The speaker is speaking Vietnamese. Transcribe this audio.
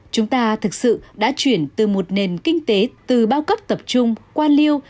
chúng ta thực sự đã chuyển từ một nền kinh tế từ bao cấp tập trung quan liêu